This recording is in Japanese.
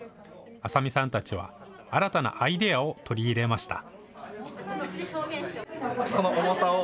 浅見さんたちは新たなアイデアを取り入れました。